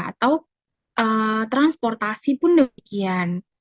atau transportasi pun demikian